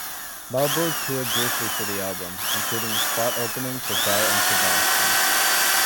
Melberg toured briefly for the album, including a spot opening for Belle and Sebastian.